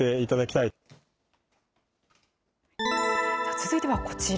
続いてはこちら。